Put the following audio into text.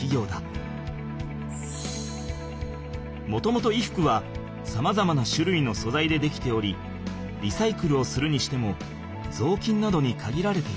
もともと衣服はさまざまなしゅるいのそざいで出来ておりリサイクルをするにしてもぞうきんなどにかぎられていた。